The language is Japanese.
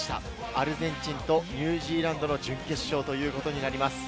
アルゼンチンとニュージーランドの準決勝ということになります。